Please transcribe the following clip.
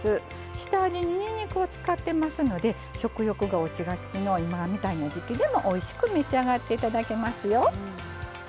下味ににんにくを使っていますので食欲が落ちがちの今みたいな時季でもおいしく召し上がっていただけますよ。